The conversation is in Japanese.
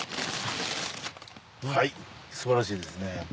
はいすばらしいですね。